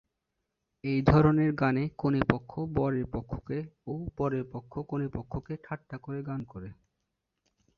এই ধরনের গানে কনে পক্ষ বরের পক্ষকে ও বরের পক্ষ কনে পক্ষকে ঠাট্টা করে গান করে।